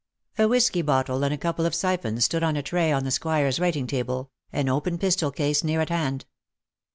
A whisky bottle and a couple of siphons stood on a tray on the Squire^s writing table, an open pistol case near at hand.